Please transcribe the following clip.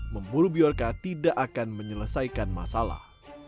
memburu biorca tidak akan menyelesaikan masalah